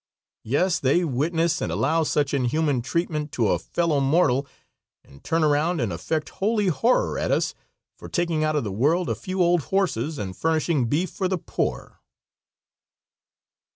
Yes, they witness and allow such inhuman treatment to a fellow mortal and turn around and affect holy horror at us for taking out of the world a few old horses and furnishing beef for the poor."